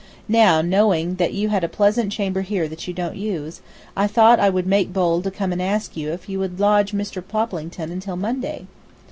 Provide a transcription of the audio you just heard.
Now, knowing that you had a pleasant chamber here that you don't use, I thought I would make bold to come and ask you if you would lodge Mr. Poplington until Monday?"